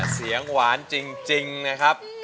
เสียงหวานจริงนะครับ